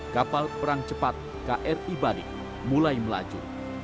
kapal perang cepat kri bali mulai melaju